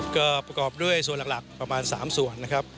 ก็ประกอบด้วยส่วนหลักประมาณ๓ส่วนนะครับ